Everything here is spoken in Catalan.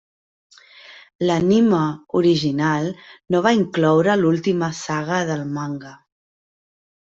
L'anime original no va incloure l'última saga del manga.